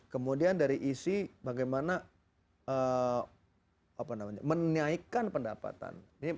kemudian dari isi bagaimana menaikkan pendapatan